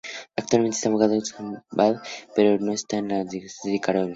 Actualmente está abogada a san Antonio Abad, pero esta no es la dedicación original.